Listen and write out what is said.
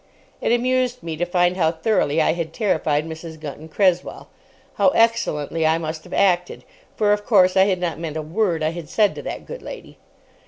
It amused me to find how thoroughly I had terrified Mrs. Gunton Cresswell. How excellently I must have acted, for, of course, I had not meant a word I had said to that good lady.